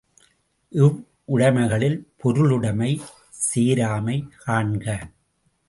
இவ்வுடைமைகளிற் பொருளுடைமை சேராமை காண்க.